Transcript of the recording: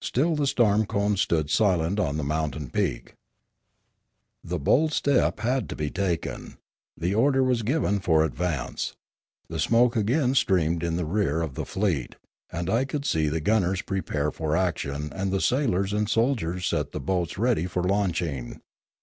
Still the storm cone stood silent on the mountain peak. The bold .step had to be taken; the order was given for advance. The smoke again streamed in the rear of the fleet, and I could see the gunners prepare for action and the sailors and soldiers set the boats ready for launching.